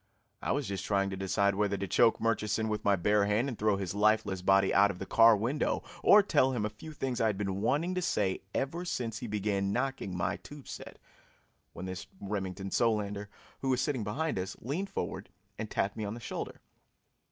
I was just trying to decide whether to choke Murchison with my bare hand and throw his lifeless body out of the car window, or tell him a few things I had been wanting to say ever since he began knocking my tube set, when this Remington Solander, who was sitting behind us, leaned forward and tapped me on the shoulder.